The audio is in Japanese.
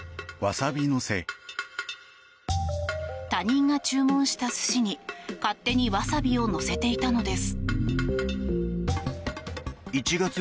他人が注文した寿司に勝手にわさびをのせていたのです。